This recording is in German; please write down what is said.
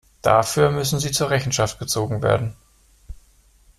Dafür müssen sie zur Rechenschaft gezogen werden.